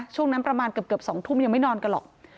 ช่วงนั้นประมาณเกือบ๒ทุ่มยังไม่นอนกันหรอก